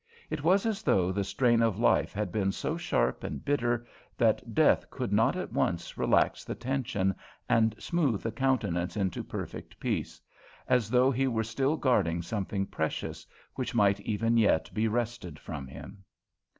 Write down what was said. It was as though the strain of life had been so sharp and bitter that death could not at once relax the tension and smooth the countenance into perfect peace as though he were still guarding something precious, which might even yet be wrested from him.